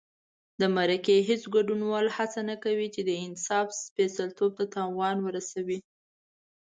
د مرکې هېڅ ګډونوال هڅه نه کوي چې د انصاف سپېڅلتوب ته تاوان ورسي.